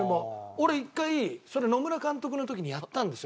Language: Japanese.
俺一回それ野村監督の時にやったんですよ。